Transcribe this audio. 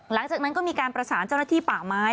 หลังจากนั้นก็มีการประสานเจ้าหน้าที่ป่าไม้